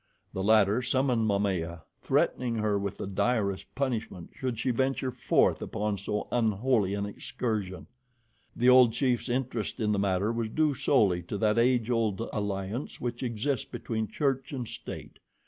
The latter summoned Momaya, threatening her with the direst punishment should she venture forth upon so unholy an excursion. The old chief's interest in the matter was due solely to that age old alliance which exists between church and state.